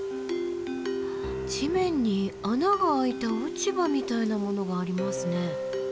地面に穴が開いた落ち葉みたいなものがありますね。